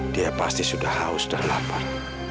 dia pasti sudah haus dan lapar